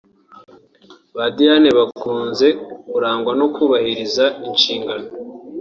Ba Diane bakunze kurangwa no kubahiriza inshingano